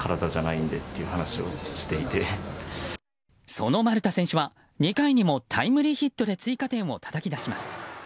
その丸田選手は２回にもタイムリーヒットで追加点をたたき出します。